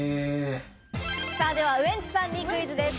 ではウエンツさんにクイズです。